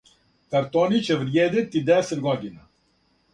Картони ће вриједити десет година.